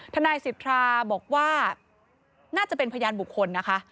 ทนายสิทธาบอกว่าน่าจะเป็นพยานบุคคลนะคะ